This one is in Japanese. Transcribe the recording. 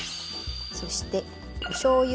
そしておしょうゆ。